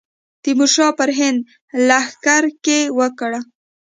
تیمورشاه پر هند لښکرکښي وکړه.